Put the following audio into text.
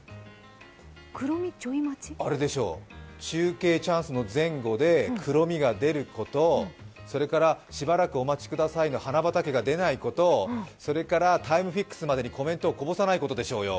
中継チャンスの前後でクロミが出ること、それから、しばらくお待ちくださいの花畑が出ないこと、それからタイムフィックスまでにコメントをこぼさないことでしょうよ。